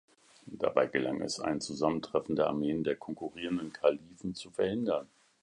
Dabei gelang es ein Zusammentreffen der Armeen der konkurrierenden Kalifen zu verhindern.